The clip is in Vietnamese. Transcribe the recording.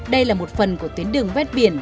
đây là một phần của tuyến đường vét biển